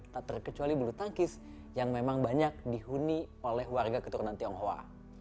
tak terkecuali bulu tangkis yang memang banyak dihuni oleh warga keturunan tionghoa